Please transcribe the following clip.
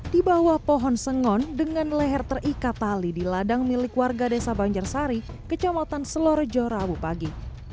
di bawah pohon sengon dengan leher terikat tali di ladang milik warga desa banjarsari kecamatan selorejo rabu pagi